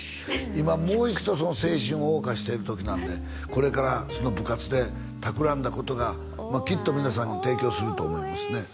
今もう一度その青春を謳歌している時なんでこれからその部活で企んだことがきっと皆さんに提供すると思いますね